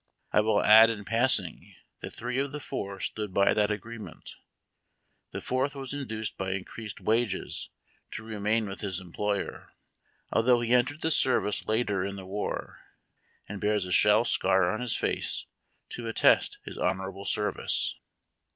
I will add in passing, that three of the four stood by that agreement ; the fourth was induced by increased wages to remain with his employer, although he entered the service later in the war, and bears a shell scar on his face to attest his honorable service.